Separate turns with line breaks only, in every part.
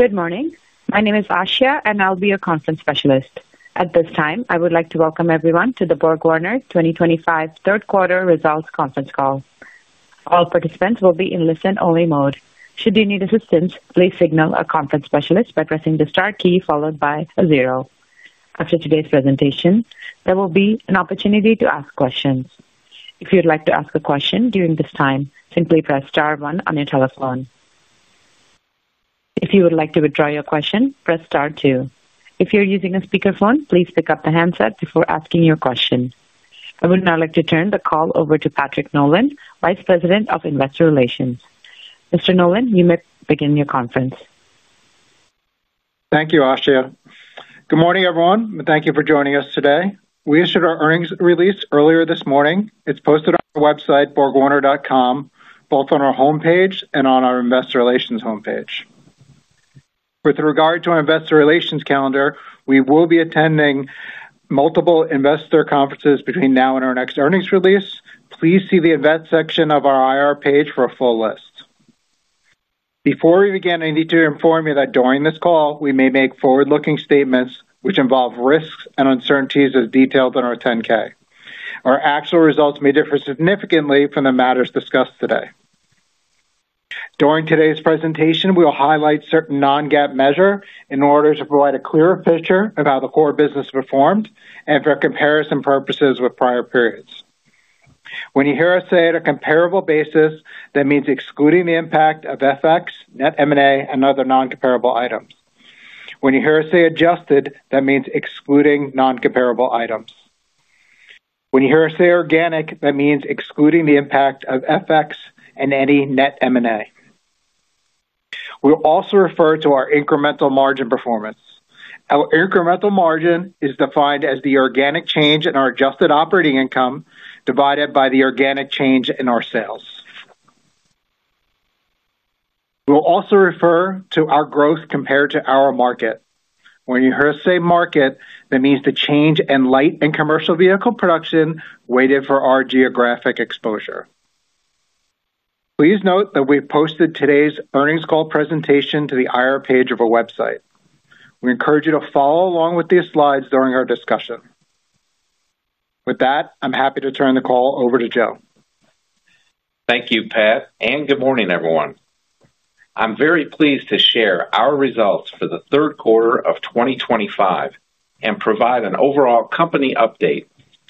Good morning. My name is Asia and I'll be your conference specialist at this time. I would like to welcome everyone to the BorgWarner 2025 third quarter results conference call. All participants will be in listen-only mode. Should you need assistance, please signal a conference specialist by pressing the star key followed by a zero. After today's presentation, there will be an opportunity to ask questions. If you'd like to ask a question during this time, please simply press star one on your telephone. If you would like to withdraw your question, press star two. If you're using a speakerphone, please pick up the handset before asking your question. I would now like to turn the call over to Patrick Nolan, Vice President of Investor Relations. Mr. Nolan, you may begin your conference.
Thank you. Good morning everyone. Thank you for joining us today. We issued our earnings release earlier this morning. It posted on our website borgwarner.com both on our homepage and on our Investor Relations homepage. With regard to our investor relations calendar, we will be attending multiple investor conferences between now and our next earnings release. Please see the Events section of our IR page for a full list. Before we begin, I need to inform you that during this call we may make forward-looking statements which involve risks and uncertainties as detailed in our Form 10-K. Our actual results may differ significantly from the matters discussed today. During today's presentation we will highlight certain non-GAAP measures in order to provide a clearer picture of how the core business performed and for comparison purposes with prior periods. When you hear us say on a comparable basis, that means excluding the impact of FX, net, M&A, and other non-comparable items. When you hear us say adjusted, that means excluding non-comparable items. When you hear us say organic, that means excluding the impact of FX and. Any net M&A. We will also refer to our incremental margin performance. Our incremental margin is defined as the organic change in our adjusted operating income divided by the organic change in our sales. We will also refer to our growth compared to our market. When you hear us say market, that means the change in light and commercial vehicle production weighted for our geographic exposure. Please note that we posted today's earnings call presentation to the IR page of our website. We encourage you to follow along with these slides during our discussion. With that, I'm happy to turn the call over to Joe.
Thank you, Pat, and good morning, everyone. I'm very pleased to share our results for the third quarter of 2025 and provide an overall company update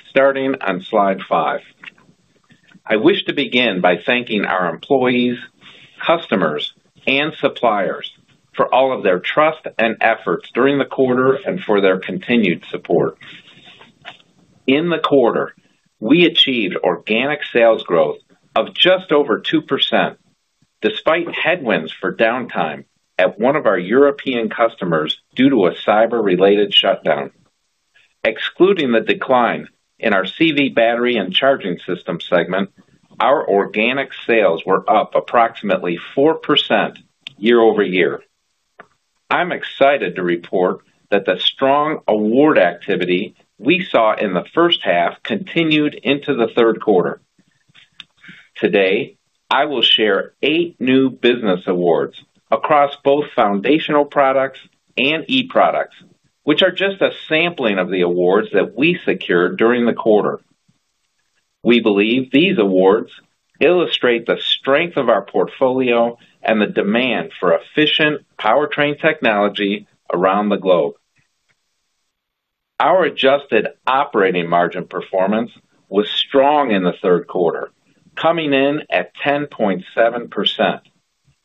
starting on slide 5. I wish to begin by thanking our employees, customers, and suppliers for all of their trust and efforts during the quarter and for their continued support. In the quarter, we achieved organic sales growth of just over 2% despite headwinds from downtime at one of our European customers due to a cyber-related shutdown. Excluding the decline in our CV battery and charging system segment, our organic sales were up approximately 4% year-over-year. I'm excited to report that the strong award activity we saw in the first half continued into the third quarter. Today I will share eight new business awards across both foundational products and eProducts, which are just a sampling of the awards that we secured during the quarter. We believe these awards illustrate the strength of our portfolio and the demand for efficient powertrain technology around the globe. Our adjusted operating margin performance was strong in the third quarter, coming in at 10.7%,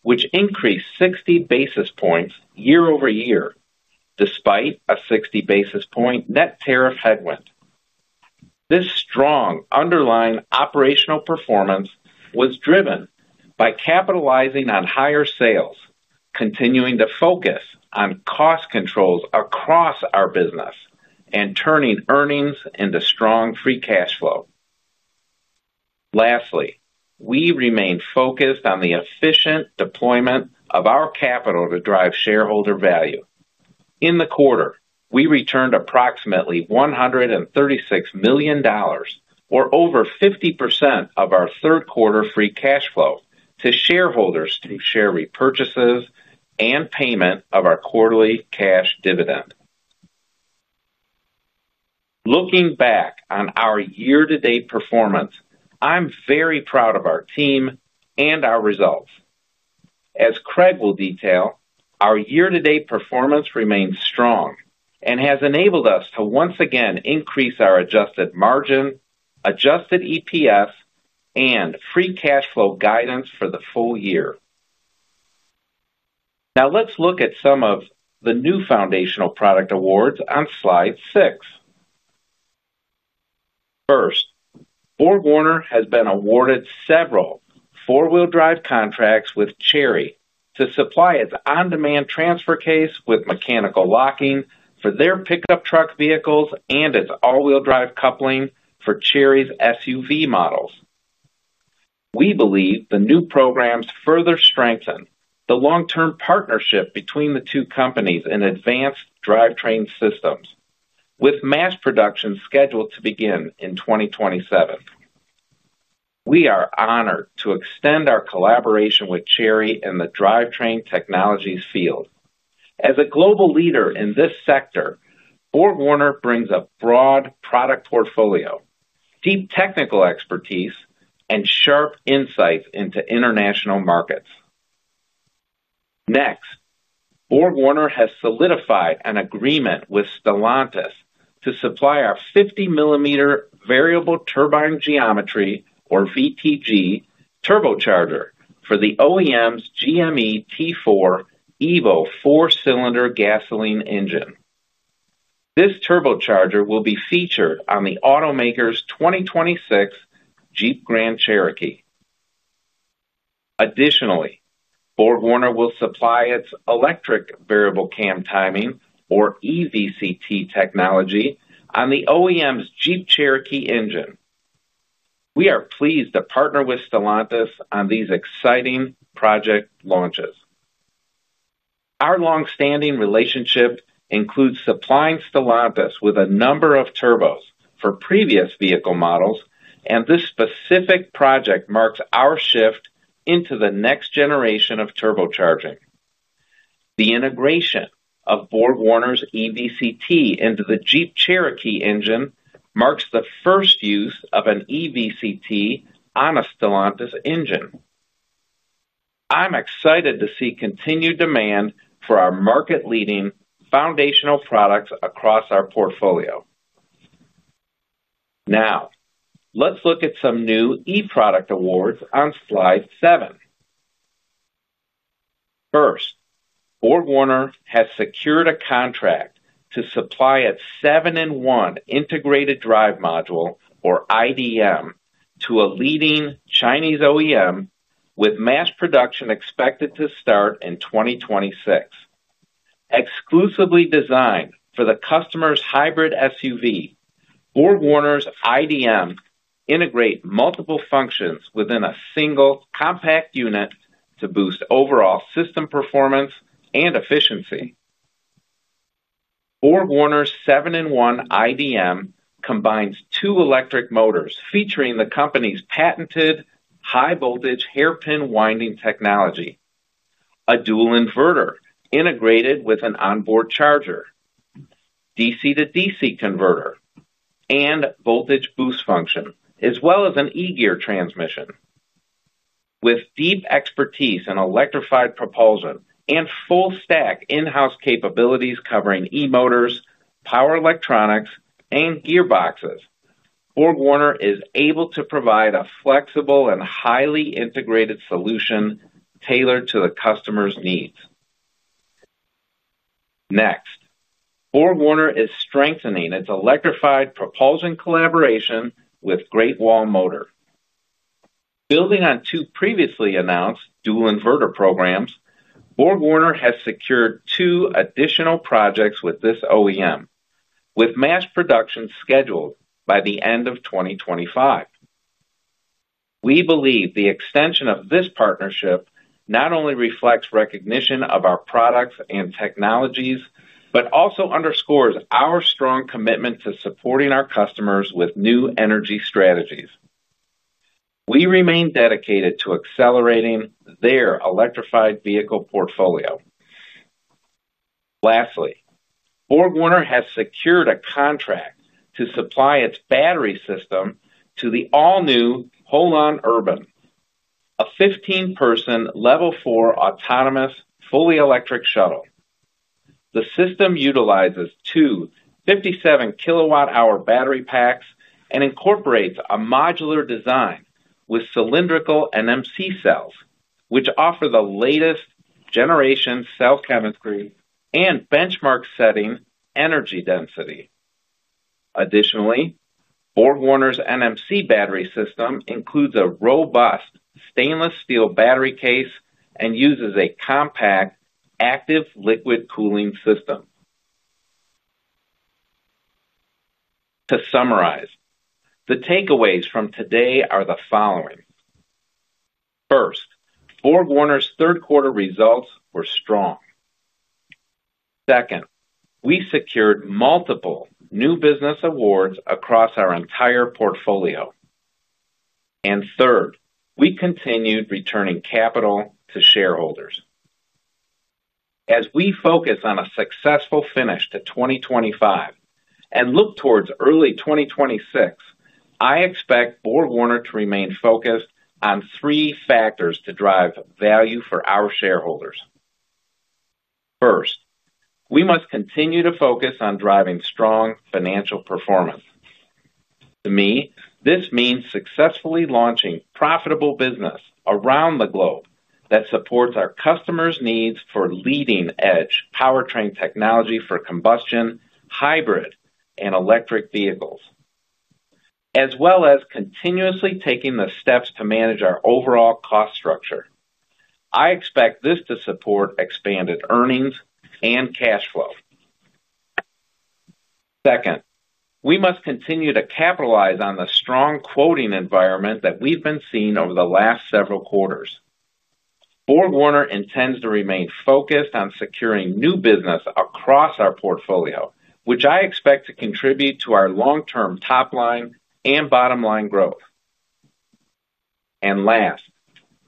which increased 60 basis points year-over-year despite a 60 basis point net tariff headwind. This strong underlying operational performance was driven by capitalizing on higher sales, continuing to focus on cost controls across our business, and turning earnings into strong free cash flow. Lastly, we remain focused on the efficient deployment of our capital to drive shareholder value. In the quarter, we returned approximately $136 million, or over 50% of our third quarter free cash flow, to shareholders through share repurchases and payment of our quarterly cash dividend. Looking back on our year-to-date performance, I'm very proud of our team and our results. As Craig will detail, our year-to-date performance remains strong and has enabled us to once again increase our adjusted margin, adjusted EPS, and free cash flow guidance for the full year. Now let's look at some of the new foundational product awards on slide 6. First, BorgWarner has been awarded several four-wheel drive contracts with Chery to supply its on-demand transfer case with mechanical locking for their pickup truck vehicles and its all-wheel drive coupling for Chery's SUV models. We believe the new programs further strengthen the long-term partnership between the two companies in advanced drivetrain systems. With mass production scheduled to begin in 2027, we are honored to extend our collaboration with Chery in the drivetrain technologies field. As a global leader in this sector, BorgWarner brings a broad product portfolio, deep technical expertise, and sharp insights into international markets. Next, BorgWarner has solidified an agreement with Stellantis to supply our 50 mm variable turbine geometry, or VTG, turbocharger for the OEM's GME T4 EVO four cylinder gasoline engine. This turbocharger will be featured on the automaker's 2026 Jeep Grand Cherokee. Additionally, BorgWarner will supply its electric variable cam timing, or EVCT, technology on the OEM's Jeep Cherokee engine. We are pleased to partner with Stellantis on these exciting project launches. Our long standing relationship includes supplying Stellantis with a number of turbos for previous vehicle models, and this specific project marks our shift into the next generation of turbocharging. The integration of BorgWarner's EVCT into the Jeep Cherokee engine marks the first use of an EVCT on a Stellantis engine. I'm excited to see continued demand for our market leading foundational products across our portfolio. Now let's look at some new eProduct Awards on slide 7. First, BorgWarner has secured a contract to supply a 7-in-1 integrated drive module, or iDM, to a leading Chinese OEM with mass production expected to start in 2026. Exclusively designed for the customer's hybrid SUV, BorgWarner's IDM integrates multiple functions within a single compact unit to boost overall system performance and efficiency. BorgWarner 7-in-1 iDM combines two electric motors featuring the company's patented high voltage hairpin winding technology, a dual inverter integrated with an onboard charger, DC/DC converter and voltage boost function, as well as an eGear transmission. With deep expertise in electrified propulsion and full stack in house capabilities covering eMotors, power electronics, and gearboxes, BorgWarner is able to provide a flexible and highly integrated solution tailored to the customer's needs. Next, BorgWarner is strengthening its electrified propulsion collaboration with Great Wall Motor, building on two previously announced dual inverter programs. BorgWarner has secured two additional projects with this OEM with mass production scheduled by the end of 2025. We believe the extension of this partnership not only reflects recognition of our products and technologies, but also underscores our strong commitment to supporting our customers with new energy strategies. We remain dedicated to accelerating their electrified vehicle portfolio. Lastly, BorgWarner has secured a contract to supply its battery system to the all-new HOLON Urban, a 15-person, Level 4 autonomous, fully electric shuttle. The system utilizes two 57 kWh battery packs and incorporates a modular design with cylindrical NMC cells, which offer the latest generation cell chemistry and benchmark setting energy density. Additionally, BorgWarner's NMC battery system includes a robust stainless steel battery case and uses a compact active liquid cooling system. To summarize, the takeaways from today are: first, BorgWarner's third quarter results were strong; second, we secured multiple new business awards across our entire portfolio; and third, we continued returning capital to shareholders as we focus on a successful finish to 2025 and look towards early 2026. I expect BorgWarner to remain focused on three factors to drive value for our shareholders. First, we must continue to focus on driving strong financial performance. To me, this means successfully launching profitable business around the globe that supports our customers' needs for leading edge powertrain technology for combustion, hybrid, and electric vehicles, as well as continuously taking the steps to manage our overall cost structure. I expect this to support expanded earnings and cash flow. Second, we must continue to capitalize on the strong quoting environment that we've been seeing over the last several quarters. BorgWarner intends to remain focused on securing new business across our portfolio, which I expect to contribute to our long term top line and bottom line growth. Last,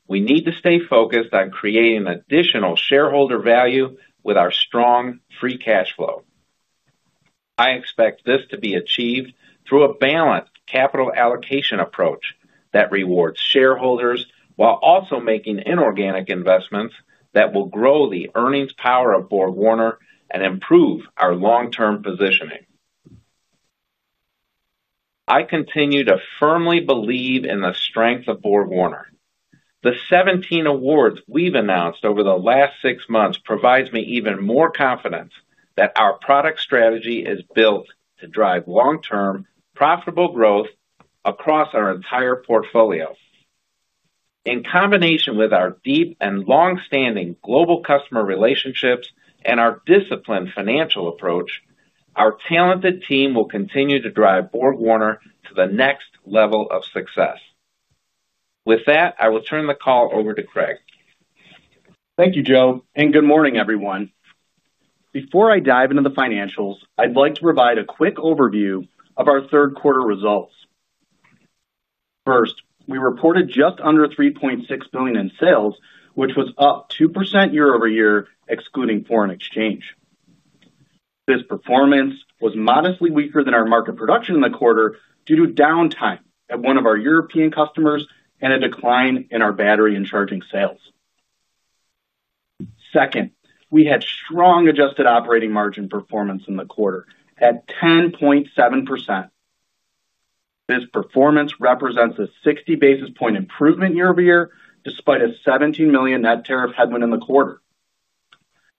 we need to stay focused on creating additional shareholder value with our strong free cash flow. I expect this to be achieved through a balanced capital allocation approach that rewards shareholders while also making inorganic investments that will grow the earnings power of BorgWarner and improve our long term positioning. I continue to firmly believe in the strength of BorgWarner. The 17 awards we've announced over the last six months provides me even more confidence that our product strategy is built to drive long term profitable growth across our entire portfolio. In combination with our deep and long-standing global customer relationships and our disciplined financial approach, our talented team will continue to drive BorgWarner to the next level of success. With that, I will turn the call over to Craig.
Thank you Joe and good morning everyone. Before I dive into the financials, I'd like to provide a quick overview of our third quarter results. First, we reported just under $3.6 billion in sales, which was up 2% year-over-year excluding foreign exchange. This performance was modestly weaker than our market production in the quarter due to downtime at one of our European customers and a decline in our battery and charging sales. Second, we had strong adjusted operating margin performance in the quarter at 10.7%. This performance represents a 60 basis point improvement year-over-year despite a $17 million net tariff headwind in the quarter.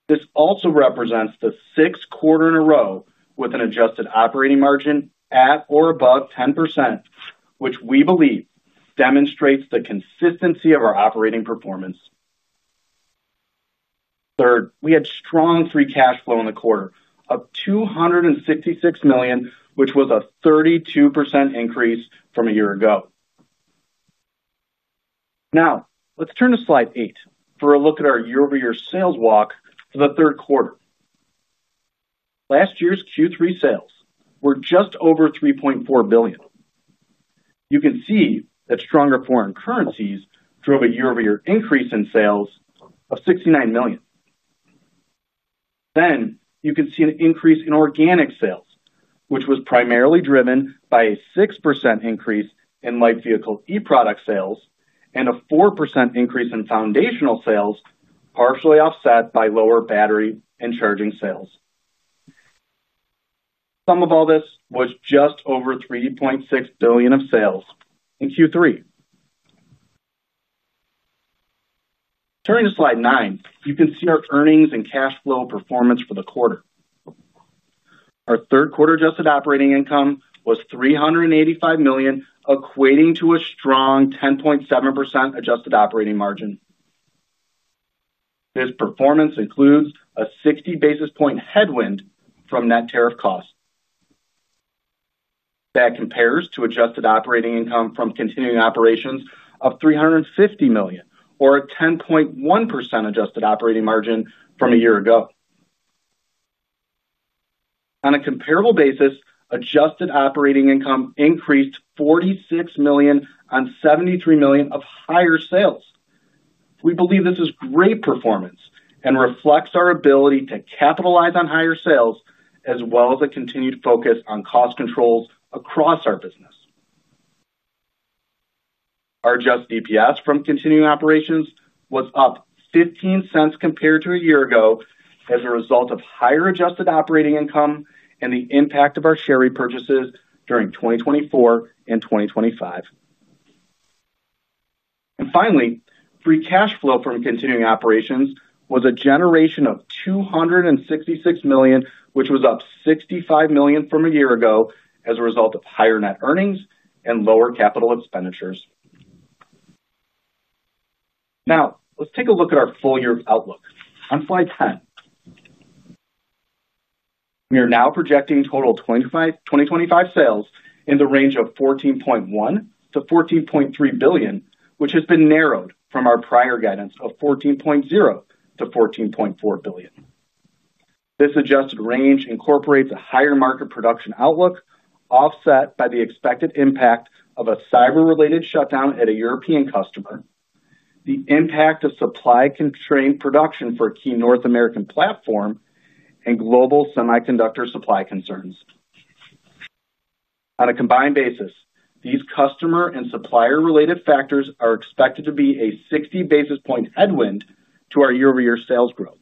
This also represents the sixth quarter in a row with an adjusted operating margin at or above 10%, which we believe demonstrates the consistency of our operating performance. Third, we had strong free cash flow in the quarter of $266 million, which was a 32% increase from a year ago. Now let's turn to slide 8 for a look at our year-over-year sales walk for the third quarter. Last year's Q3 sales were just over $3.4 billion. You can see that stronger foreign currencies drove a year-over-year increase in sales of $69 million. You can see an increase in organic sales which was primarily driven by a 6% increase in light vehicle eProduct sales and a 4% increase in foundational sales partially offset by lower battery and charging sales. Sum of all this was just over $3.6 billion of sales in Q3. Turning to slide 9 you can see our earnings and cash flow performance for the quarter. Our third quarter adjusted operating income was $385 million equating to a strong 10.7% adjusted operating margin. This performance includes a 60 basis point headwind from net tariff cost that compares to adjusted operating income from continuing operations of $350 million or a 10.1% adjusted operating margin from a year ago. On a comparable basis, adjusted operating income increased $46 million on $73 million of higher sales. We believe this is great performance and reflects our ability to capitalize on higher sales as well as a continued focus on cost controls across our business. Our adjusted EPS from continuing operations was up $0.15 compared to a year ago as a result of higher adjusted operating income and the impact of our share repurchases during 2024 and 2025. Finally, free cash flow from continuing operations was a generation of $266 million, which was up $65 million from a year ago as a result of higher net earnings and lower capital expenditures. Now let's take a look at our full year outlook on slide 10. We are now projecting total 2025 sales in the range of $14.1 billion-$14.3 billion, which has been narrowed from our prior guidance of $14.0 billion-$14.4 billion. This adjusted range incorporates a higher market production outlook offset by the expected impact of a cyber-related shutdown at a European customer, the impact of supply-constrained production for a key North American platform, and global semiconductor supply concerns. On a combined basis, these customer and supplier-related factors are expected to be a 60 basis point headwind to our year-over-year sales growth.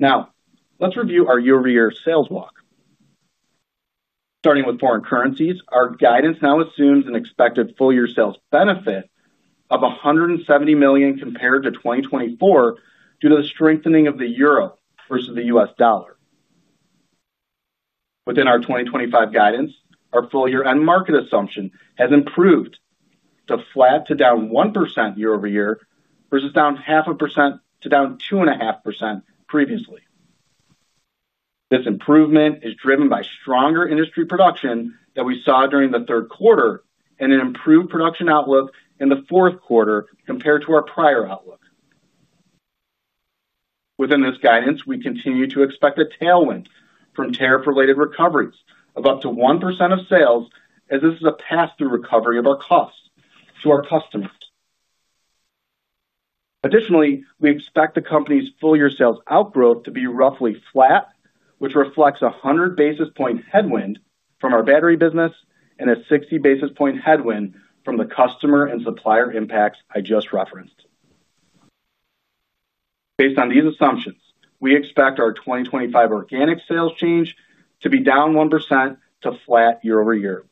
Now let's review our year-over-year sales walk starting with foreign currencies. Our guidance now assumes an expected full year sales benefit of $170 million compared to 2024 due to the strengthening of the euro versus the US Dollar. Within our 2025 guidance, our full year end market assumption has improved to flat to down 1% year-over-year versus down 0.5% to down 2.5% previously. This improvement is driven by stronger industry production that we saw during the third quarter and an improved production outlook in the fourth quarter compared to our prior outlook. Within this guidance, we continue to expect a tailwind from tariff-related recoveries of up to 1% of sales as this is a path to recovery of our costs to our customers. Additionally, we expect the company's full year sales outgrowth to be roughly flat, which reflects a 100 basis point headwind from our battery business and a 60 basis point headwind from the customer and supplier impacts I just referenced. Based on these assumptions, we expect our 2025 organic sales change to be down 1% to flat year-over-year.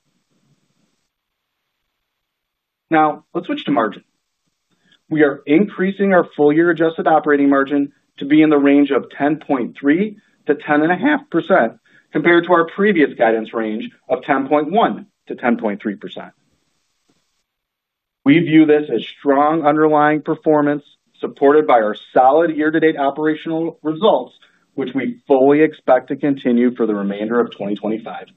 Now let's switch to margin. We are increasing our full year adjusted operating margin to be in the range of 10.3%-10.5% compared to our previous guidance range of 10.1%-10.3%. We view this as strong underlying performance supported by our solid year-to-date operational results, which we fully expect to continue for the remainder of 2025.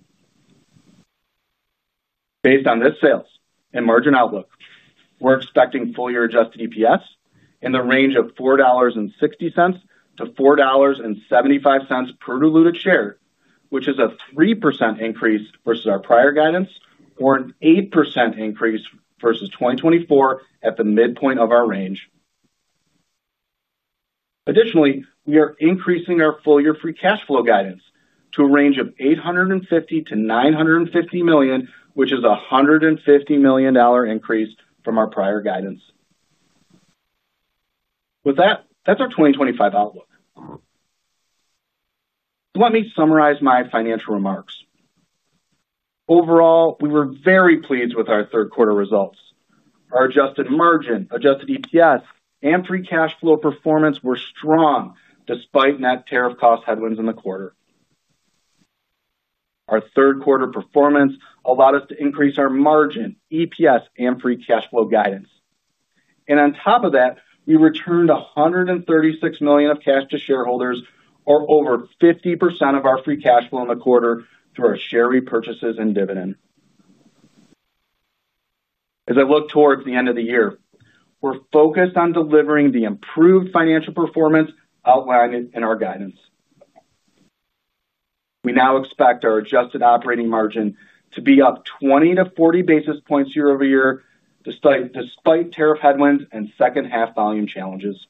Based on this sales and margin outlook, we're expecting full year adjusted EPS in the range of $4.60-$4.75 per diluted share, which is a 3% increase versus our prior guidance or an 8% increase versus 2024 at the midpoint of our range. Additionally, we are increasing our full year free cash flow guidance to a range of $850 million-$950 million, which is a $150 million increase from our prior guidance. With that, that's our 2025 outlook. Let me summarize my financial remarks. Overall, we were very pleased with our third quarter results. Our adjusted margin, adjusted EPS, and free cash flow performance were strong despite net tariff cost headwinds in the quarter. Our third quarter performance allowed us to increase our margin, EPS, and free cash flow guidance, and on top of that, we returned $136 million of cash to shareholders, or over 50% of our free cash flow in the quarter, through our share repurchases and dividends. As I look towards the end of the year, we're focused on delivering the improved financial performance outlined in our guidance. We now expect our adjusted operating margin to be up 20 basis points-40 basis points year-over-year despite tariff headwinds and second half volume challenges.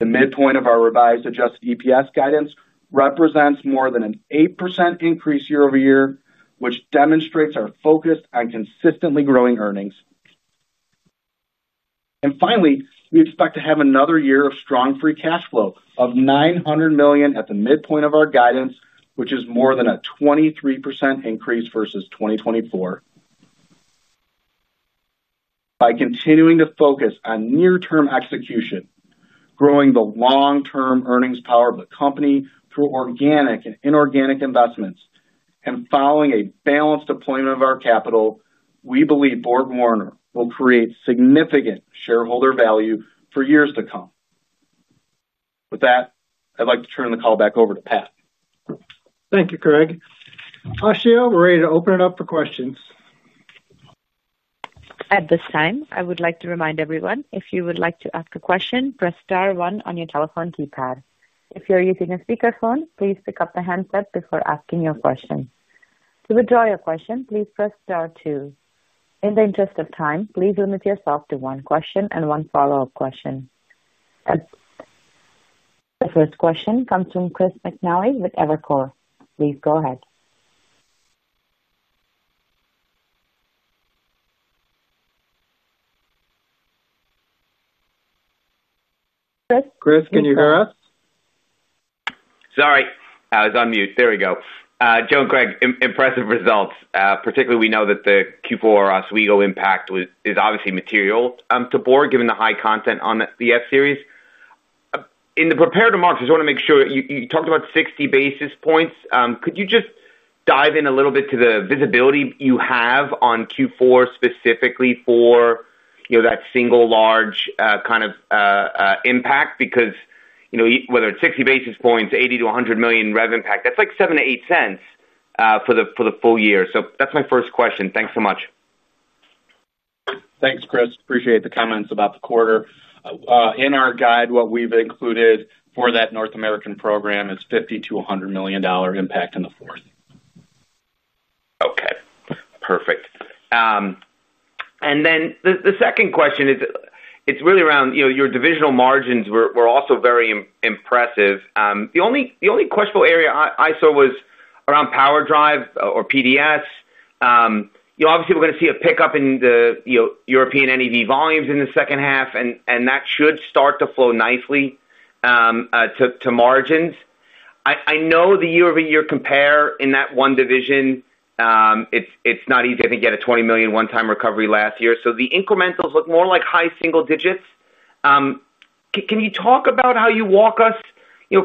The midpoint of our revised adjusted EPS guidance represents more than an 8% increase year-over-year, which demonstrates our focus on consistently growing earnings, and finally, we expect to have another year of strong free cash flow of $900 million at the midpoint of our guidance, which is more than a 23% increase versus 2024. By continuing to focus on near term execution, growing the long term earnings power of the company through organic and inorganic investments, and following a balanced deployment of our capital, we believe BorgWarner will create significant shareholder value for years to come. With that, I'd like to turn the call back over to Pat.
Thank you. Craig. We're ready to open it up for questions.
At this time I would like to remind everyone, if you would like to ask a question, press Star one on your telephone keypad. If you're using a speakerphone, please pick up the handset before asking your question. To withdraw your question, please press star two. In the interest of time, please limit yourself to one question and one follow up question. The first question comes from Chris McNally with Evercore. Please go ahead. Chris?
Chris, can you hear us?
Sorry, I was on mute. There we go. Joe and Craig, impressive results, particularly we know that the Q4 Oswego impact is obviously material to Borg given the high content on the TF series. In the prepared remarks, I just want to make sure you talked about 60 basis points. Could you just dive in a little bit to the visibility you have on Q4 specifically for that single large kind of impact? Because whether it's 60 basis points, $80 million-$100 million revenue impact, that's like $0.07-$0.08 for the full year. That's my first question. Thanks so much.
Thanks, Chris. Appreciate the comments about the quarter in our guide. What we've included for that North American program is $50 million-$100 million impact in the fourth.
Okay, perfect. The second question, it's really around your divisional margins, which were also very impressive. The only questionable area I saw was around PowerDrive or PDS. Obviously, we are going to see a pickup in the European EV volumes in the second half, and that should start to flow nicely to margins. I know the year-over-year compare in that one division is not easy. I think you had a $20 million one-time recovery last year, so the incrementals look more like high single digits. Can you talk about how you walk us,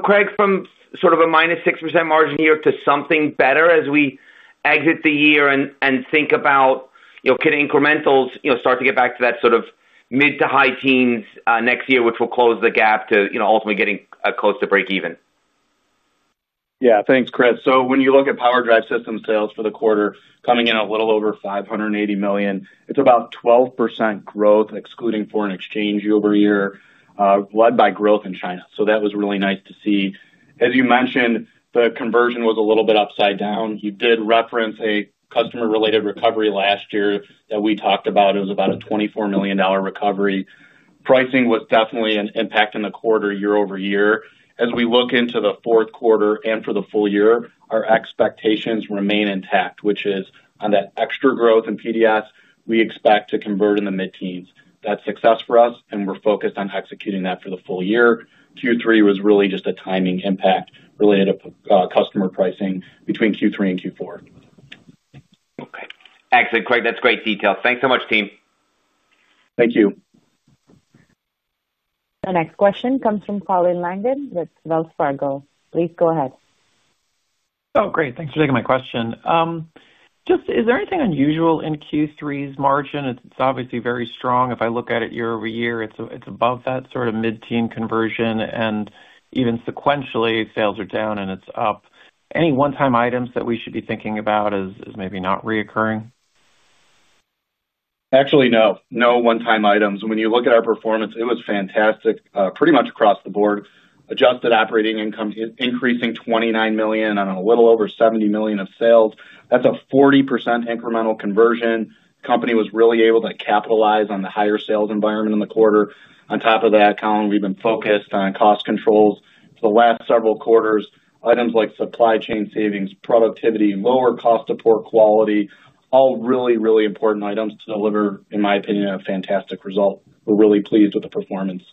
Craig, from sort of a minus 6% margin here to something better as we exit the year, and think about could incrementals start to get back to that sort of mid to high teens next year, which will close the gap to, you know, ultimately getting close to break even?
Yeah. Thanks, Chris. When you look at PowerDrive Systems sales for the quarter coming in a little over $580 million, it's about 12% growth, excluding foreign exchange year-over-year, led by growth in China. That was really nice to see. As you mentioned, the conversion was a little bit upside down. You did reference a customer-related recovery last year that we talked about; it was about a $24 million recovery. Pricing was definitely an impact in the quarter year-over-year. As we look into the fourth quarter and for the full year, our expectations remain intact, which is on that extra growth in PDS. We expect to convert in the mid-teens. That's success for us, and we're focused on executing that for the full year. Q3 was really just a timing impact related to customer pricing between Q3 and Q4.
Okay, excellent, Craig. That's great detail. Thanks so much, team.
Thank you.
The next question comes from Colin Langan with Wells Fargo. Please go ahead.
Oh great. Thanks for taking my question. Is there anything unusual in Q3's margin? It's obviously very strong. If I look at it year over. Year, it's above that sort of mid. Teen conversion and even sequentially sales are down, and it's up. Any one-time items that we should? Be thinking about as maybe not reoccurring?
No, no one time items. When you look at our performance, it was fantastic, pretty much across the board. Adjusted operating income increasing $29 million on a little over $70 million of sales. That's a 40% incremental conversion. Company was really able to capitalize on the higher sales environment in the quarter. On top of that, Colin, we've been focused on cost controls for the last several quarters. Items like supply chain savings, productivity, lower cost of poor quality, all really, really important items to deliver in my opinion. A fantastic result. We're really pleased with the performance.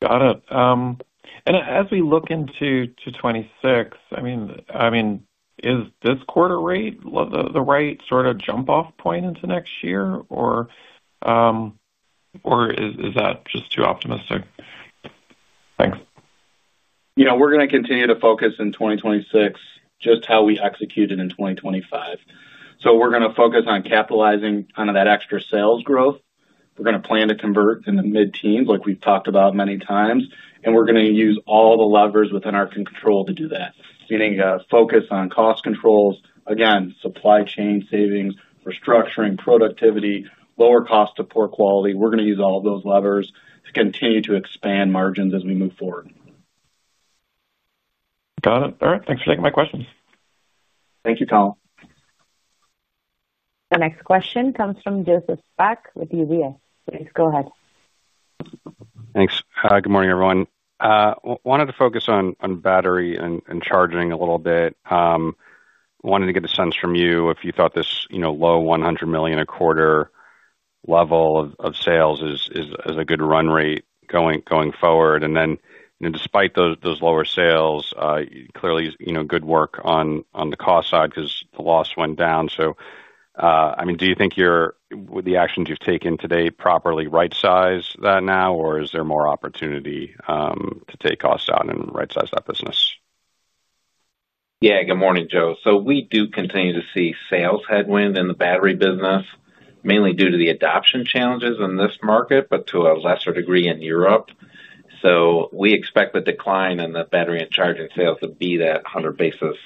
Got it. As we look into 2026, is this quarter rate the right. Sort of jump off point into next year, or is that just too optimistic? Thanks.
We're going to continue to focus in 2026 just how we executed in 2025. We're going to focus on capitalizing on that extra sales growth. We're going to plan to convert in the mid teens like we've talked about many times, and we're going to use all the levers within our control to do that, meaning focus on cost controls again, supply chain savings, restructuring productivity, lower cost to poor quality. We're going to use all of those levers to continue to expand margins as we move forward.
Got it. All right, thanks for taking my question.
Thank you, Colin.
The next question comes from Joseph Spak with UBS. Please go ahead.
Thanks. Good morning everyone. Wanted to focus on battery and charging a little bit. Wanted to get a sense from you if you thought this low $100 million a quarter level of sales is a good run rate going forward, and then despite those lower sales, clearly good work on the cost side because the loss went down. Do you think the actions you've taken today properly right size that now or is there more opportunity to take costs out and right size that business?
Yeah. Good morning Joe. We do continue to see sales headwind in the battery business, mainly due to the adoption challenges in this market, but to a lesser degree in Europe. We expect the decline in the battery and charging sales to be that 100 basis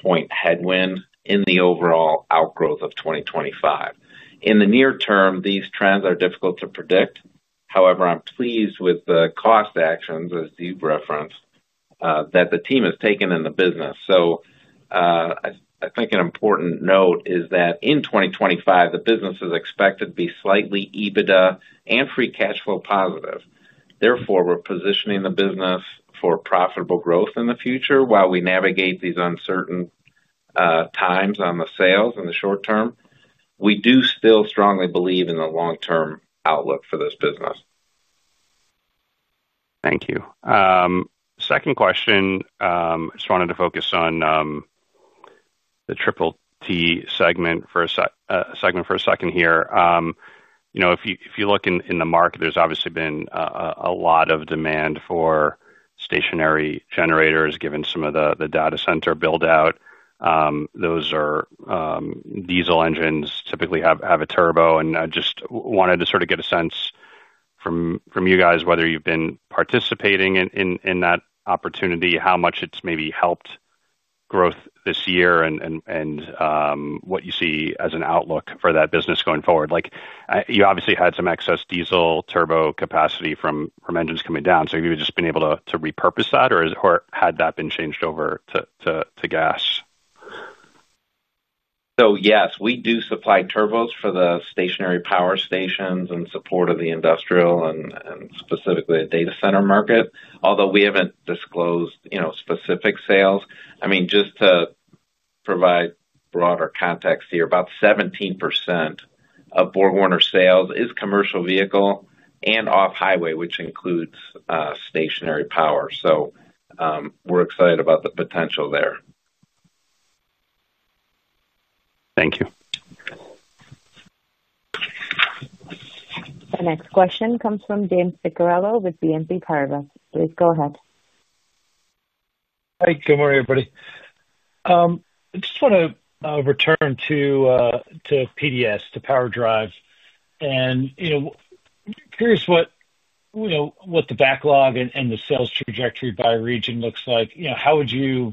point headwind in the overall outgrowth of 2025. In the near term, these trends are difficult to predict. However, I'm pleased with the cost actions, as you've referenced, that the team has taken in the business. I think an important note is that in 2025 the business is expected to be slightly EBITDA and free cash flow positive. Therefore, we're positioning the business for profitable growth in the future. While we navigate these uncertain times on the sales in the short term, we do still strongly believe in the long term outlook for this business.
Thank you. Second question, just wanted to focus on the TTT segment for a second here. You know, if you look in the market, there's obviously been a lot of demand for stationary generators given some of the data center build out. Those are diesel engines, typically have a turbo. I just wanted to sort of get a sense of from you guys, whether you've been participating in that opportunity, how much it's maybe helped growth this year and what you see as an outlook for that business going forward. You obviously had some excess diesel turbo capacity from engines coming down, so you've just been able to repurpose that or had that been changed over to gas.
Yes, we do supply turbos for the stationary power stations in support of the industrial and specifically data center market. Although we haven't disclosed specific sales, just to provide broader context here, about 17% of BorgWarner sales is commercial vehicle and off highway, which includes stationary power. We're excited about the potential there.
Thank you.
The next question comes from James Picariello with BNP Paribas. Please go ahead.
Hi, good morning everybody. I just want to return to PDS, to PowerDrive, and you know, curious what the backlog and the sales trajectory by region looks like. You know, how would you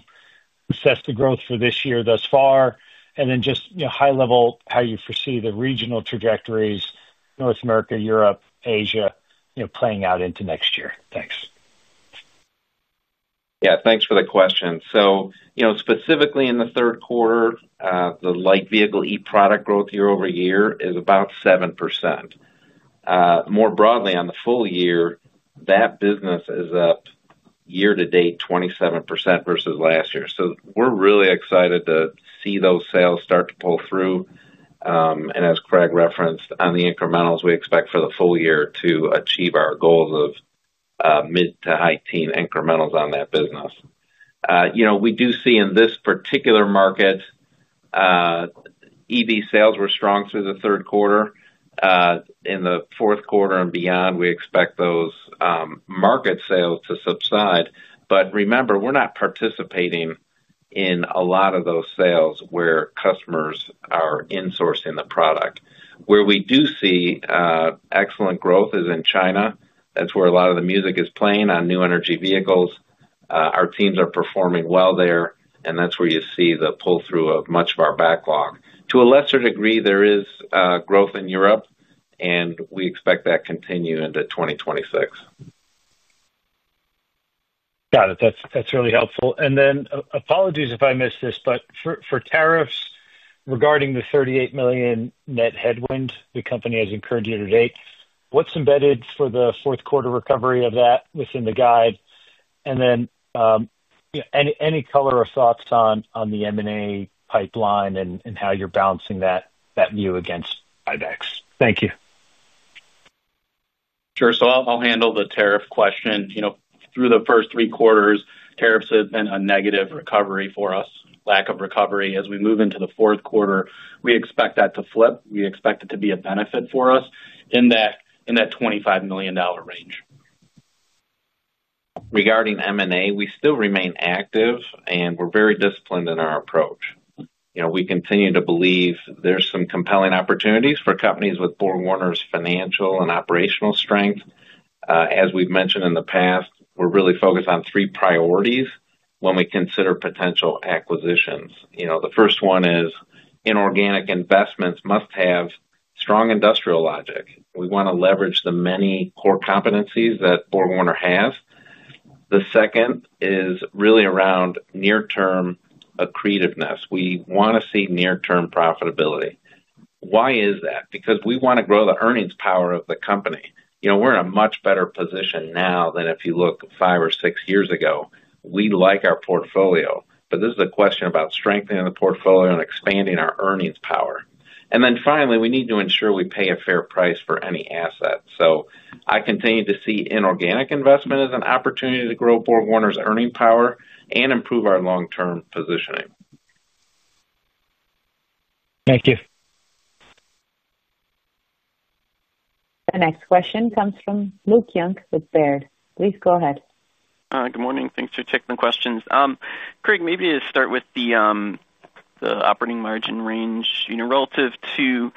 assess the growth for this year thus far, and then just high level how you foresee the regional trajectories, North America, Europe, Asia, playing out into next year. Thanks.
Yeah, thanks for the question. Specifically in the third quarter, the light vehicle eProduct growth year-over-year is about 7%. More broadly on the full year, that business is up year-to-date, 27% versus last year. We're really excited to see those sales start to pull through. As Craig referenced on the incrementals, we expect for the full year to achieve our goals of mid to high teen incrementals on that business. We do see in this particular market, EV sales were strong through the third quarter. In the fourth quarter and beyond, we expect those market sales to subside. Remember, we're not participating in a lot of those sales where customers are insourcing the product. Where we do see excellent growth is in China. That's where a lot of the music is playing on new energy vehicles. Our teams are performing well there, and that's where you see the pull through of much of our backlog. To a lesser degree, there is growth in Europe and we expect that to continue into 2026.
Got it. That's really helpful. Apologies if I missed this, but for tariffs regarding the $38 million net headwind the company has incurred year-to-date, what's embedded for the fourth quarter, recovery of that within the guide, and any color or thoughts on the M&A pipeline and how you're balancing that view against IBEX. Thank you.
Sure. I'll handle the tariff question. Through the first three quarters, tariffs have been a negative recovery for us. Lack of recovery as we move into the fourth quarter, we expect that to flip. We expect it to be a benefit for us in that $25 million range.
Regarding M&A, we still remain active and we're very disciplined in our approach. We continue to believe there's some compelling opportunities for companies with BorgWarner's financial and operational strength. As we've mentioned in the past, we're really focused on three priorities when we consider potential acquisitions. The first one is inorganic investments must have strong industrial logic. We want to leverage the many core competencies that BorgWarner has. The second is really around near term accretiveness. We want to see near term profitability. Why is that? Because we want to grow the earnings power of the company. We're in a much better position now than if you look five or six years ago. We like our portfolio, but this is a question about strengthening the portfolio and expanding our earnings power. Finally, we need to ensure we pay a fair price for any asset. I continue to see inorganic investment as an opportunity to grow BorgWarner's earning power and improve our long term positioning.
Thank you.
The next question comes from Luke Junk with Baird. Please go ahead.
Good morning. Thanks for taking the questions, Craig. Maybe to start with the operating margin range relative to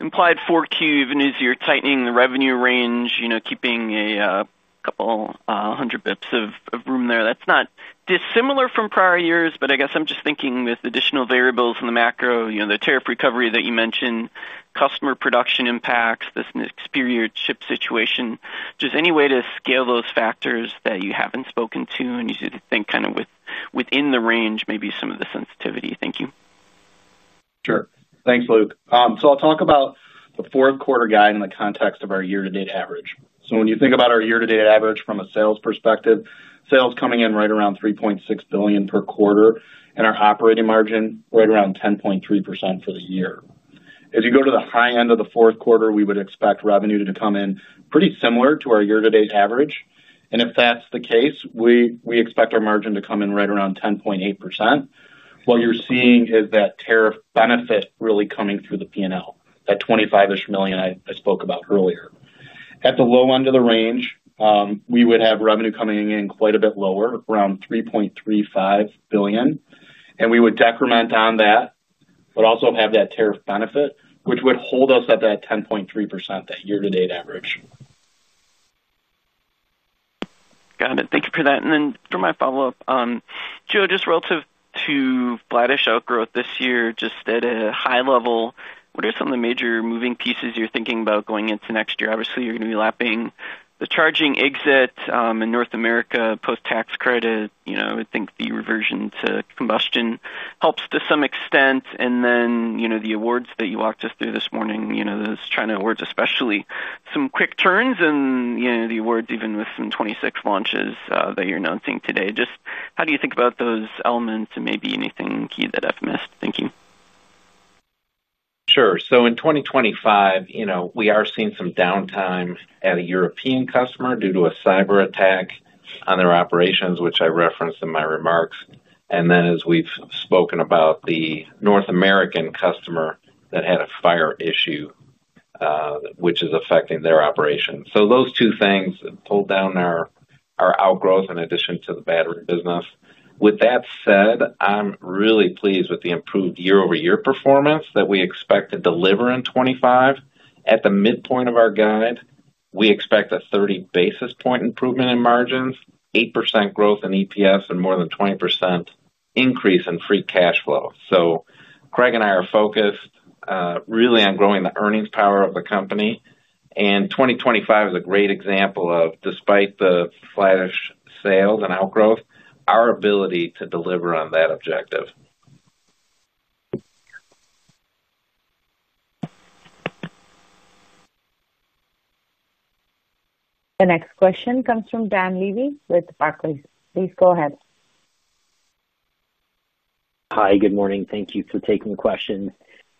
implied 4Q even as you're tightening the revenue range, keeping a couple hundred bps of room there, that's not dissimilar from prior years. I guess I'm just thinking with additional variables in the macro, the tariff recovery that you mentioned, customer production impacts, this superior chip situation. Just any way to scale those factors that you haven't spoken to and you think kind of within the range, maybe some of the sensitivity. Thank you.
Sure. Thanks, Luke. I'll talk about the fourth quarter guide in the context of our year-to-date average. When you think about our year-to-date average from a sales perspective, sales coming in right around $3.6 billion per quarter and our operating margin right around 10.3% for the year. As you go to the high end of the fourth quarter, we would expect revenue to come in pretty similar to our year-to-date average. If that's the case, we expect our margin to come in right around 10.8%. What you're seeing is that tariff benefit really coming through the P&L, that $25 million I spoke about earlier. At the low end of the range, we would have revenue coming in quite a bit lower, around $3.35 billion, and we would decrement on that, but also have that tariff benefit which would hold us at that 10.3%, that year-to-date average.
Got it. Thank you for that. For my follow up, Joe, just relative to flattish outgrowth this year, just at a high level, what are some of the major moving pieces you're thinking about going into next year? Obviously you're going to be lapping the charging exit in North America post tax credit. I think the reversion to combustion helps to some extent. The awards that you walked us through this morning, those China awards, especially some quick turns and the awards, even with some 2026 launches that you're announcing today, just how do you think about those elements and maybe anything key that I've missed. Thank you.
Sure. In 2025 we are seeing some downtime at a European customer due to a cyber attack on their operations, which I referenced in my remarks. As we've spoken about, the North American customer that had a fire issue is affecting their operations. Those two things pulled down our outgrowth in addition to the battery business. With that said, I'm really pleased with the improved year-over-year performance that we expect to deliver in 2025. At the midpoint of our guide, we expect a 30 basis point improvement in margins, 8% growth in EPS, and more than 20% increase in free cash flow. Craig and I are focused really on growing the earnings power of the company. 2025 is a great example of, despite the flattish sales and outgrowth, our ability to deliver on that objective.
The next question comes from Dan Levy with Barclays. Please go ahead.
Hi, good morning. Thank you for taking questions.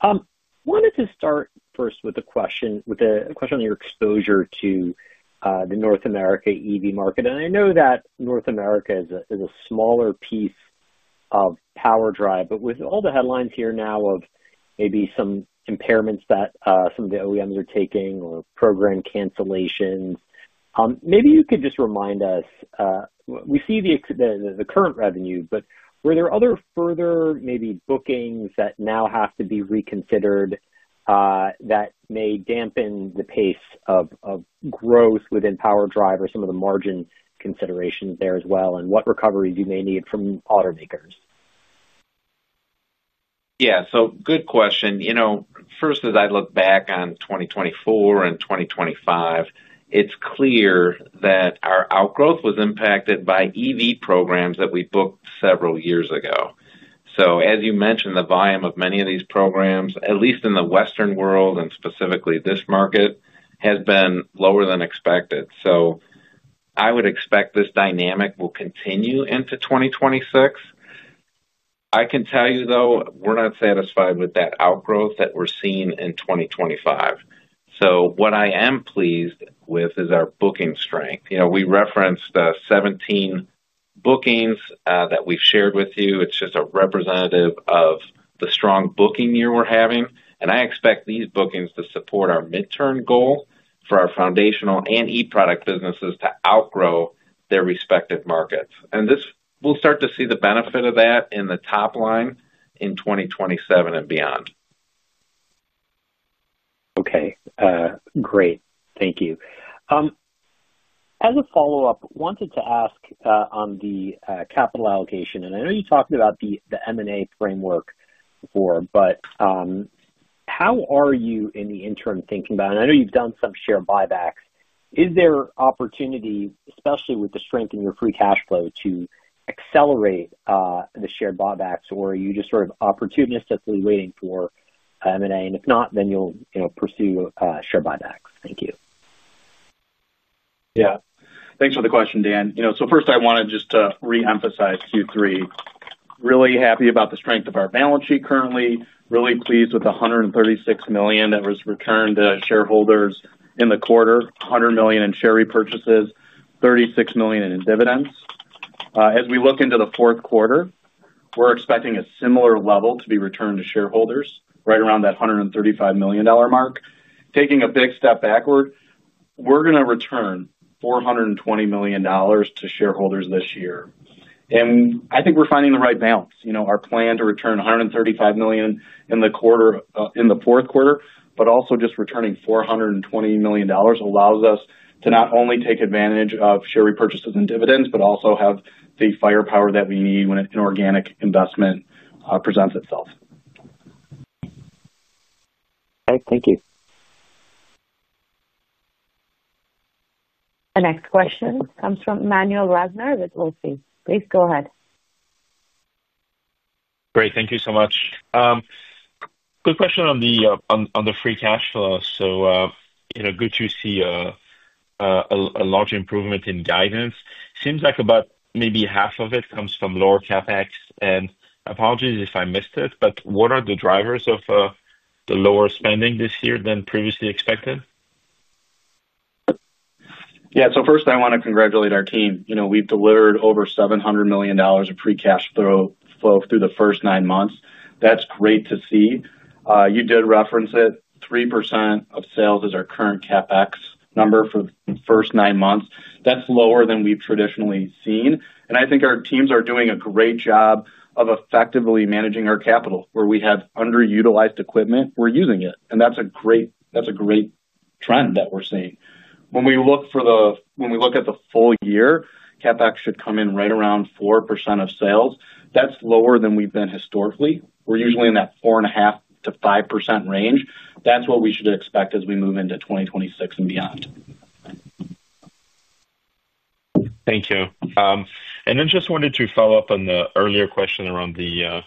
Wanted to start first with a question on your exposure to the North America EV market. I know that North America is. A smaller piece of PowerDrive, but. With all the headlines here now of maybe some impairments that some of the OEMs are taking or program cancellations, maybe you could just remind us we see the current revenue. Were there other further maybe bookings that now have to be reconsidered? May dampen the pace of growth within. Systems division or some of the margin considerations there as well, and what recoveries you may need from automakers?
Yeah, good question. First, as I look back on 2024 and 2025, it's clear that our outgrowth was impacted by EV programs that we booked several years ago. As you mentioned, the volume of many of these programs, at least in the Western world and specifically this market, has been lower than expected. I would expect this dynamic will continue into 2026. I can tell you though, we're not satisfied with that outgrowth that we're seeing in 2025. What I am pleased with is our booking strength. We referenced 17 bookings that we've shared with you. It's just a representative of the strong booking year we're having. I expect these bookings to support our midterm goal for our foundational and eProduct businesses to outgrow their respective markets. We will start to see the benefit of that in the top line in 2027 and beyond.
Okay, great. Thank you. As a follow-up, wanted to ask. On the capital allocation, and I know you talked about the M&A. Framework before, but how are you in the interim thinking about, and I know you've done some share repurchases, is there opportunity, especially with the strength in your free cash flow, to accelerate the share repurchases, or are you just sort of opportunistically waiting for M&A and. If not, then you'll pursue share repurchases. Thank you.
Yeah, thanks for the question, Dan. First, I wanted just to reemphasize Q3. Really happy about the strength of our balance sheet. Currently really pleased with the $136 million that was returned to shareholders in the quarter: $100 million in share repurchases, $36 million in dividends. As we look into the fourth quarter, we're expecting a similar level to be returned to shareholders, right around that $135 million mark. Taking a big step backward, we're going to return $420 million to shareholders this year. I think we're finding the right balance. Our plan to return $135 million in the fourth quarter, but also just returning $420 million allows us to not only take advantage of share repurchases and dividends, but also have the firepower that we need when an organic investment presents itself.
Thank you.
The next question comes from Emmanuel Rosner with Wolfe. Please go ahead.
Great. Thank you so much. Good question on the free cash flow. Good to see a large improvement in guidance. Seems like about maybe half of it comes from lower CapEx. Apologies if I missed it, but what are the drivers of the lower spending this year than previously expected?
Yeah. First, I want to congratulate our team. We've delivered over $700 million of free cash flow through the first nine months. That's great to see. You did reference it. 3% of sales is our current CapEx number for the first nine months. That's lower than we've traditionally seen. I think our teams are doing a great job of effectively managing our capital. Where we have underutilized equipment, we're using it. That's a great trend that we're seeing. When we look at the full year, CapEx should come in right around 4% of sales. That's lower than we've been historically. We're usually in that 4.5%-5% range. That's what we should expect as we move into 2026 and beyond.
Thank you. I just wanted to follow up. On the earlier question around the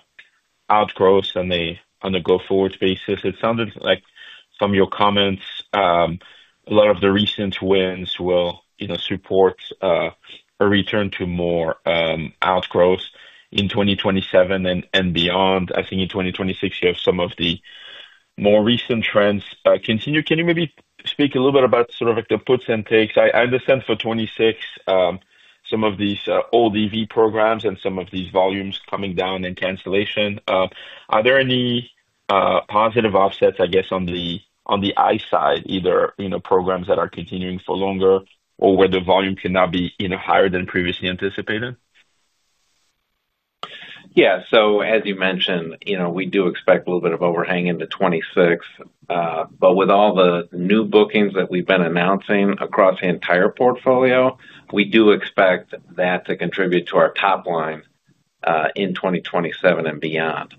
outgrowth and on the go forward basis, it sounded like from your comments, a. lot of the recent wins will support. A return to more outgrowth in 2027 and beyond. I think in 2026 you have some. Of the more recent trends continue, can you maybe speak a little bit about sort of like the puts and takes? I understand for 2026 some of these old EV programs and some of these volumes coming down and cancellation. Are there any positive offsets, I guess, on the, on the I side either, you know, programs that are continuing for longer or where the volume can now be higher than previously anticipated?
Yeah, as you mentioned, we do expect a little bit of overhang into 2026, but with all the new bookings that we've been announcing across the entire portfolio, we do expect that to contribute to our top line in 2027 and beyond.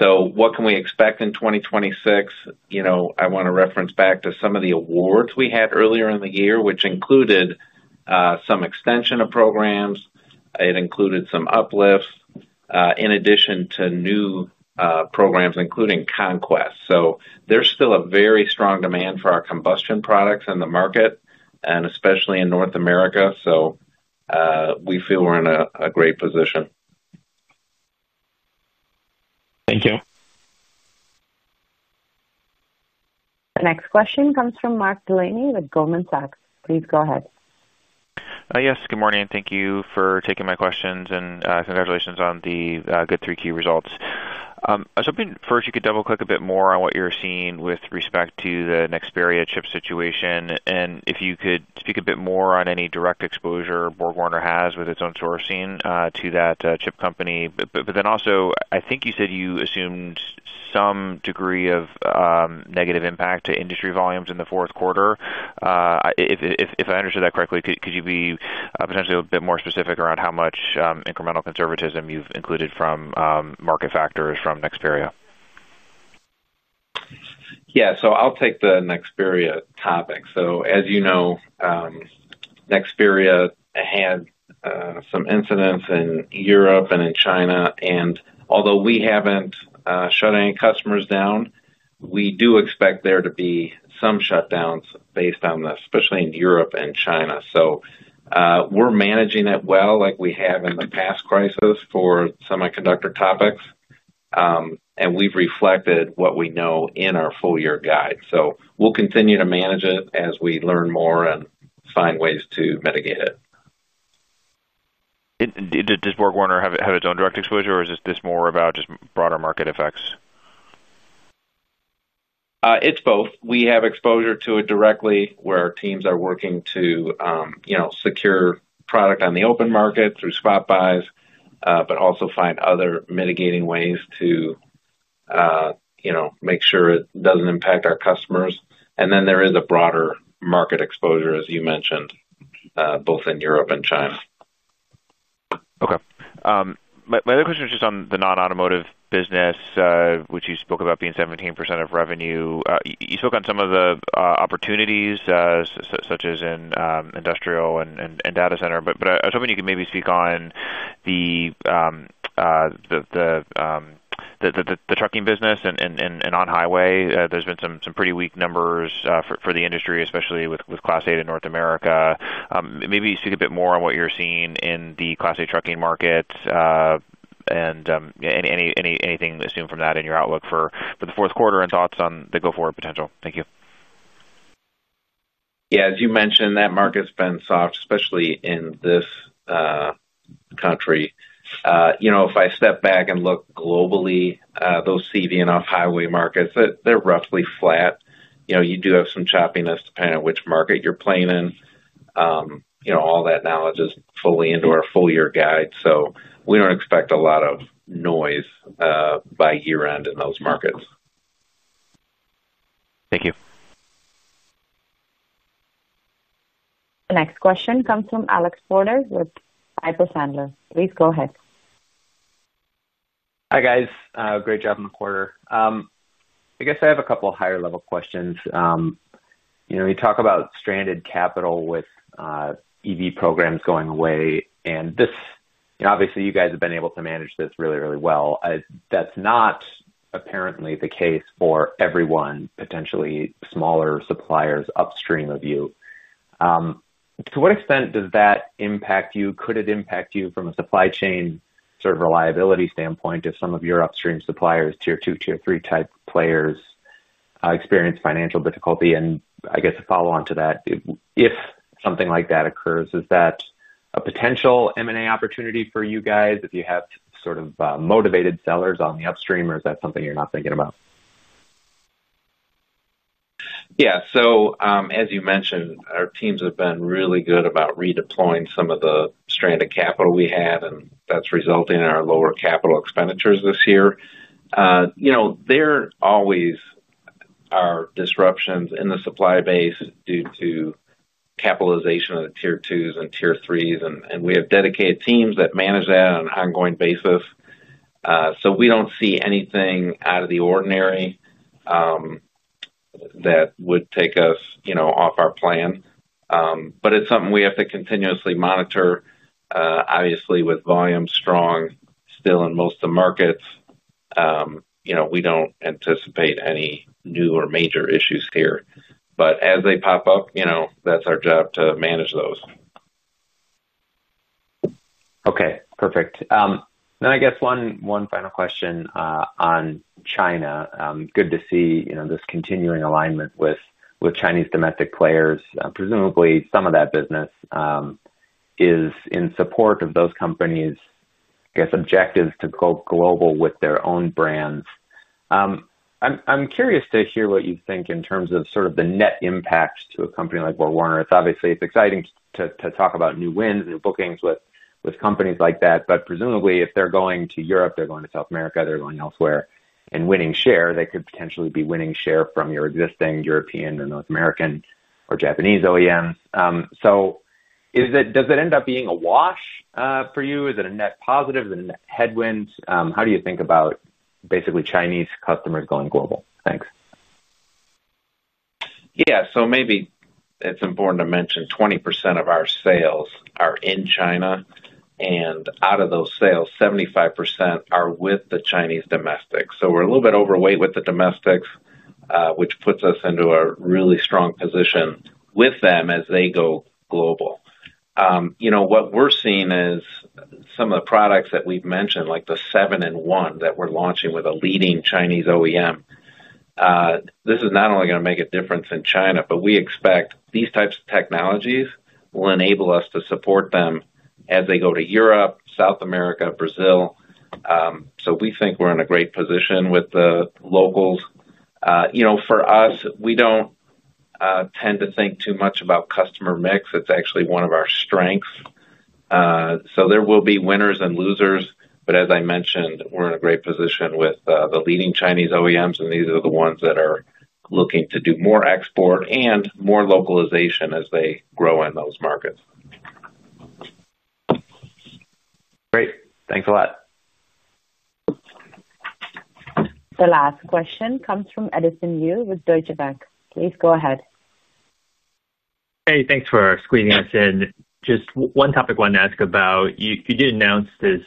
What can we expect in 2026? I want to reference back to some of the awards we had earlier in the year, which included some extension of programs. It included some uplifts in addition to new programs, including Conquest. There's still a very strong demand for our combustion products in the market and especially in North America. We feel we're in a great position.
Thank you.
The next question comes from Mark Delaney with Goldman Sachs. Please go ahead.
Yes, good morning. Thank you for taking my questions and congratulations on the good 3Q results. I was hoping first you could double click a bit more on what you're seeing with respect to the Nexperia chip situation and if you could speak a bit more on any direct exposure BorgWarner has with its own sourcing to that chip company. I think you said you assumed some degree of negative impact to industry volumes in the fourth quarter, if I understood that correctly. Could you be potentially a bit more specific around how much incremental context conservatism you've included from market factors from Nexperia?
Yeah, I'll take the Nexperia topic. As you know, Nexperia had some incidents in Europe and in China. Although we haven't shut any customers down, we do expect there to be some shutdowns based on this, especially in Europe and China. We're managing it well, like we have in the past crisis for semiconductor topics. We've reflected what we know in our full year guide. We'll continue to manage it as we learn more and find ways to mitigate it.
Does BorgWarner have its own direct exposure or is this more about just broader market effects?
It's both. We have exposure to it directly where our teams are working to secure product on the open market through spot buys, but also find other mitigating ways to make sure it doesn't impact our customers. There is a broader market exposure, as you mentioned, both in Europe and China.
Okay, my other question is just on the non-automotive business which you spoke about being 17% of revenue. You spoke on some of the opportunities such as in industrial and data center. I was hoping you could maybe speak on the trucking business and on highway. There's been some pretty weak numbers for the industry, especially with Class 8 in North America. Maybe speak a bit more on what you're seeing in the Class 8 trucking market and anything assumed from that in your outlook for the fourth quarter and thoughts on the go forward potential? Thank you.
Yeah, as you mentioned, that market's been soft, especially in this country. If I step back and look globally, those CV and off-highway markets, they're roughly flat. You do have some choppiness depending on which market you're playing in. All that knowledge is fully into our full year guide. We don't expect a lot of noise by year end in those markets.
Thank you.
The next question comes from Alex Potter with Piper Sandler. Please go ahead.
Hi guys. Great job on the quarter. I guess I have a couple higher level questions. You talk about stranded capital with EV programs going away and this. Obviously you guys have been able to manage this really, really well. That's not apparently the case for everyone. Potentially smaller suppliers upstream of you. To what extent does that impact you? Could it impact you from a supply chain sort of reliability standpoint if some of your upstream suppliers, tier 2, tier 3 type players, experience financial difficulty and I guess a follow on to that if something like that occurs. Is that a potential M&A opportunity for you guys if you have sort of motivated sellers on the upstream or is that something you're not thinking about?
Yeah, as you mentioned, our teams have been really good about redeploying some of the stranded capital we had and that's resulting in our lower capital expenditures this year. There are always disruptions in the supply base due to capitalization of the tier 2s and tier 3s. We have dedicated teams that manage that on an ongoing basis. We don't see anything out of the ordinary that would take us off our plan. It's something we have to continuously monitor. Obviously with volume strong still in most of the markets, we don't anticipate any new or major issues here, but as they pop up, that's our job to manage those.
Okay, perfect. I guess one final question on China. Good to see this continuing alignment with Chinese domestic players. Presumably some of that business is in support of those companies' objectives to go global with their own brands. I'm curious to hear what you think in terms of the net impact to a company like BorgWarner. It's exciting to talk about new wins, new bookings with companies like that, but presumably if they're going to Europe, they're going to South America, they're going elsewhere and winning share, they could potentially be winning share from your existing European or North American or Japanese OEMs. Does it end up being a wash for you? Is it a net positive headwind? How do you think about basically Chinese customers going global? Thanks.
Yeah, maybe it's important to mention 20% of our sales are in China and out of those sales, 75% are with the Chinese domestics. We're a little bit overweight with the domestics, which puts us into a really strong position with them as they go global. You know, what we're seeing is some of the products that we've mentioned, like the 7-in-1 that we're launching with a leading Chinese OEM. This is not only going to make a difference in China, but we expect these types of technologies will enable us to support them as they go to Europe, South America, Brazil. We think we're in a great position with the locals. For us, we don't tend to think too much about customer mix. It's actually one of our strengths. There will be winners and losers. As I mentioned, we're in a great position with the leading Chinese OEMs, and these are the ones that are looking to do more export and more localization as they grow in those markets.
Great, thanks a lot.
The last question comes from Edison Yu with Deutsche Bank. Please go ahead.
Hey, thanks for squeezing us in. Just one topic wanted to ask about. You did announce this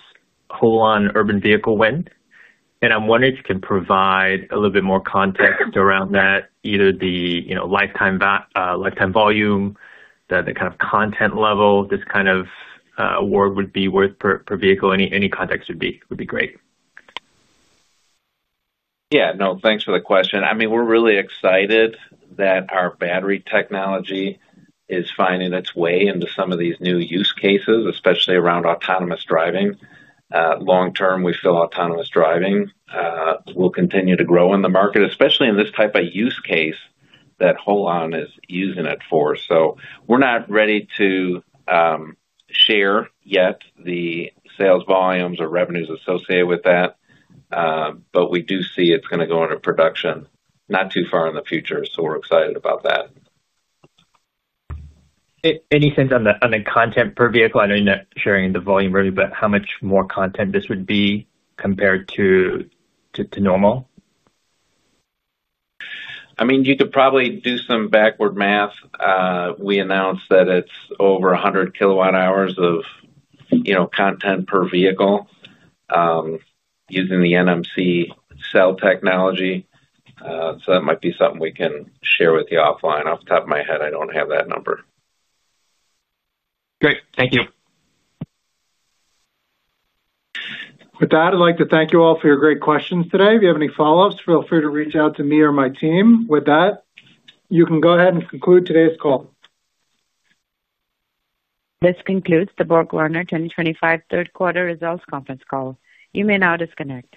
HOLON urban. Vehicle wind and I'm wondering if you can provide a little bit more context around that. Either the lifetime volume, the kind of content level this kind of award would be worth per vehicle, any context would be great.
Yeah, no, thanks for the question. I mean, we're really excited that our battery technology is finding its way into some of these new use cases, especially around autonomous driving. Long term, we feel autonomous driving will continue to grow in the market, especially in this type of use case that HOLON is using it for. We're not ready to share yet the sales volumes or revenues associated with that. We do see it's going to go into production not too far in the future, so we're excited about that.
Any sense on the content per vehicle? I know you're not sharing the volume. How much more content this would. Be compared to normal.
You could probably do some backward math. We announced that it's over 100 kWh of, you know, content per vehicle using the NMC cell technology. That might be something we can share with you offline. Off the top of my head, I don't have that number.
Great. Thank you.
With that, I'd like to thank you all for your great questions today. If you have any follow-ups, feel free to reach out to me or my team. With that, you can go ahead and conclude today's call.
This concludes the BorgWarner 2025 third quarter results conference call. You may now disconnect.